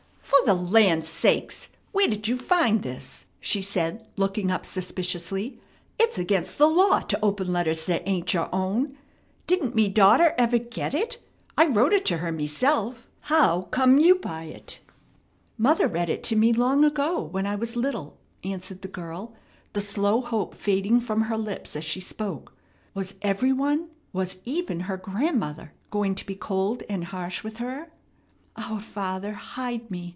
"For the land sakes! Where'd you find this?" she said, looking up suspiciously. "It's against the law to open letters that ain't your own. Didn't me daughter ever get it? I wrote it to her meself. How come you by it?" "Mother read it to me long ago when I was little," answered the girl, the slow hope fading from her lips as she spoke. Was every one, was even her grandmother, going to be cold and harsh with her? "Our Father, hide me!"